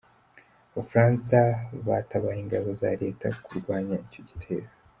Abafaransa batabaye ingabo za Leta kurwanya icyo gitero.